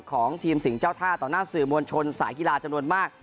ของทีมสิ่งเจ้าท่าต่อหน้าสื่อมวลชนสายกีฬาจำนวนมาก